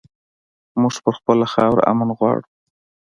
مونږ پر خپله خاوره امن غواړو